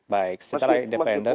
baik secara independen